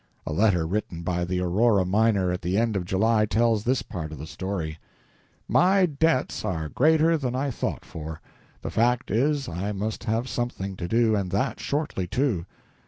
A letter written by the Aurora miner at the end of July tells this part of the story: "My debts are greater than I thought for .... The fact is, I must have something to do, and that shortly, too